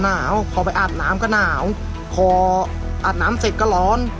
หนาวพอไปอาบน้ำก็หนาวพออาบน้ำเสร็จก็ร้อน